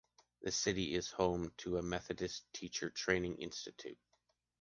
The city is home to a Methodist Teacher Training Institute.